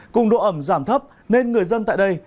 cùng độ ẩm giảm thấp nên người dân tại đây